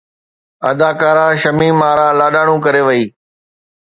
اداڪاره شميم آرا لاڏاڻو ڪري وئي